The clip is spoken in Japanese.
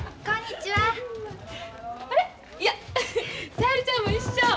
小百合ちゃんも一緒？